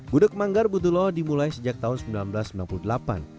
gudeg manggar buduloa dimulai sejak tahun seribu sembilan ratus sembilan puluh delapan